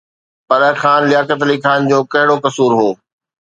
پر خان لياقت علي خان جو ڪهڙو قصور هو؟